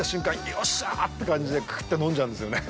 よっしゃーって感じでクーっと飲んじゃうんですよね。